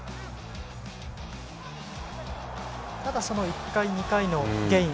その１回２回のゲイン。